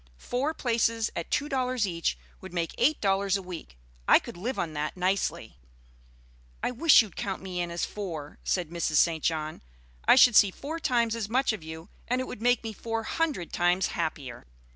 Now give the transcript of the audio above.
Four places at two dollars each would make eight dollars a week. I could live on that nicely." "I wish you'd count me in as four," said Mrs. St. John. "I should see four times as much of you, and it would make me four hundred times happier."